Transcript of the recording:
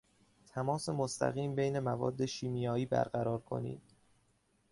تماس مستقیم بین مواد شیمیایی برقرار کنید.